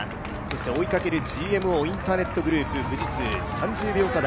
追いかけるＧＭＯインターネットグループ、富士通３０秒差台。